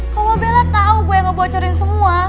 kalau bella tau gue ngebocorin semua